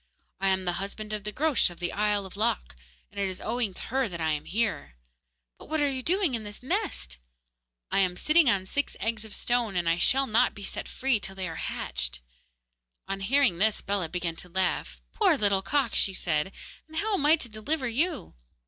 'I am the husband of the Groac'h of the isle of Lok, and it is owing to her that I am here.' 'But what are you doing in this nest?' 'I am sitting on six eggs of stone, and I shall not be set free till they are hatched.' On hearing this Bellah began to laugh. 'Poor little cock!' she said, 'and how am I to deliver you?